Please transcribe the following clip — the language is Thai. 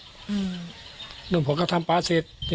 ถึงหนุ่มหัวเขาทำปลาเสร็จ